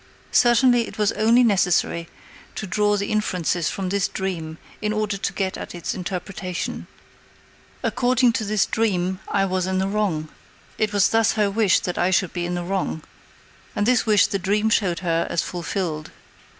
Certainly, it was only necessary to draw the inferences from this dream in order to get at its interpretation. According to this dream, I was in the wrong. _It was thus her wish that I should be in the wrong, and this wish the dream showed her as fulfilled.